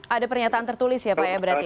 ada pernyataan tertulis ya pak ya berarti